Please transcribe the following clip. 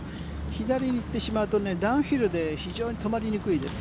左に行ってしまうとダウンヒルで非常に止まりにくいです。